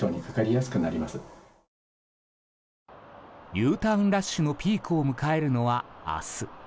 Ｕターンラッシュのピークを迎えるのは、明日。